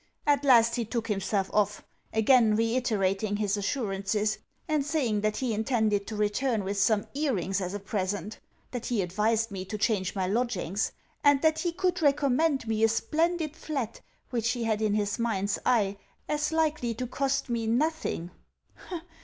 At last he took himself off again reiterating his assurances, and saying that he intended to return with some earrings as a present; that he advised me to change my lodgings; and, that he could recommend me a splendid flat which he had in his mind's eye as likely to cost me nothing.